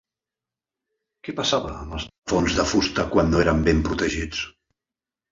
Què passava amb els plafons de fusta quan no eren ben protegits?